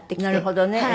なるほどね。